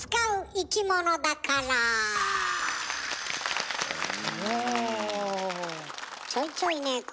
うん。